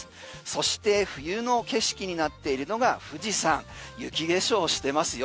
そして冬の景色になっているのが富士山、雪化粧してますよ。